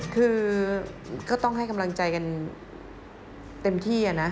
คือก็ต้องให้กำลังใจกันเต็มที่นะ